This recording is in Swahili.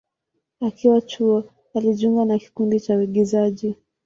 Akiwa chuo, alijiunga na kikundi cha uigizaji.